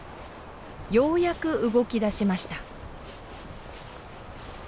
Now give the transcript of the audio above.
ようやく動きだしました。